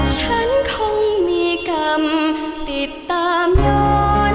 ฉันคงมีกรรมติดตามย้อน